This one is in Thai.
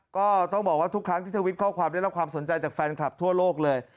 ก็ต้องบอกว่าทุกครั้งที่ทวิตข้อความได้รับความสนใจจากแฟนคลับทั่วโลกเลย